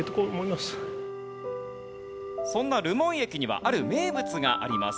そんな留萌駅にはある名物があります。